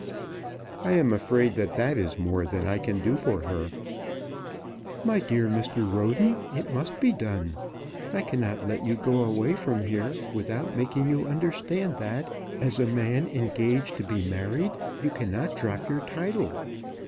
"I am afraid that that is more than I can do for her." "My dear Mr. Roden, it must be done. I cannot let you go away from here without making you understand that, as a man engaged to be married, you cannot drop your title.